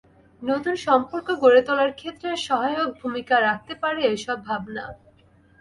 নতুন সম্পর্ক গড়ে তোলার ক্ষেত্রে সহায়ক ভূমিকা রাখতে পারে এসব ভাবনা।